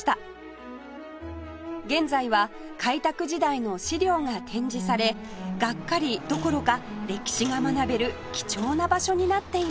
現在は開拓時代の資料が展示されガッカリどころか歴史が学べる貴重な場所になっています